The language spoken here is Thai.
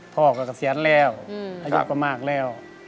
พ่อก็เกษียณแล้วอายุก็มากแล้ว